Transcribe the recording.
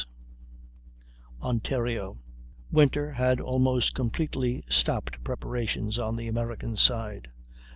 _ ONTARIO. Winter had almost completely stopped preparations on the American side.